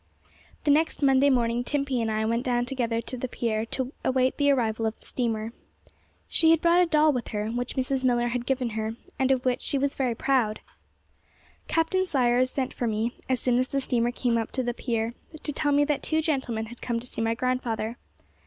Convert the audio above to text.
The next Monday morning Timpey and I went down together to the pier, to await the arrival of the steamer. She had brought a doll with her, which Mrs. Millar had given her, and of which she was very proud. Captain Sayers sent for me, as soon as the steamer came up to the pier, to tell me that two gentlemen had come to see my grandfather.